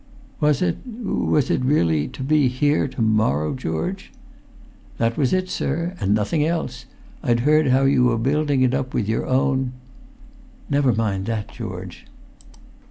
"Was it—was it really to—to be here to morrow, George?" "That was it, sir—and nothing else! I'd heard how you were building it up with your own——" "Never mind that, George."